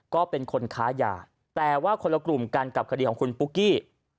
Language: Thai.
ก็เป็นคนค้ายาแต่ว่าคนละกลุ่มกันกับคดีของคุณปุ๊กกี้